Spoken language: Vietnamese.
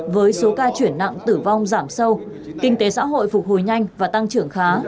với số ca chuyển nặng tử vong giảm sâu kinh tế xã hội phục hồi nhanh và tăng trưởng khá